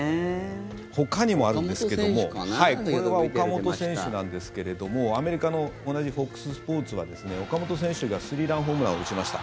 ほかにもあるんですけどもこれは岡本選手なんですけれどもアメリカの同じＦＯＸスポーツはですね岡本選手がスリーランホームランを打ちました。